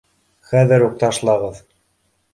Хәҙер үк ташлағыҙ.